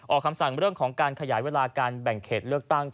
คำสั่งเรื่องของการขยายเวลาการแบ่งเขตเลือกตั้ง